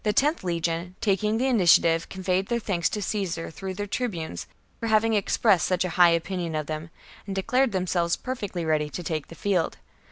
Ihe loth legion, taking the initiative, miles from conveyed their thanks to Caesar through their tribunes for having expressed such a high opinion of them, and declared themselves perfectly ready to take the field.